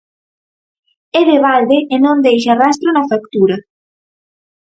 É de balde e non deixa rastro na factura.